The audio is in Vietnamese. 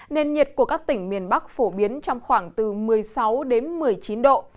nền nhiệt của các tỉnh miền bắc phổ biến trong khoảng từ một mươi sáu đến một mươi chín độ